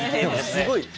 すごい。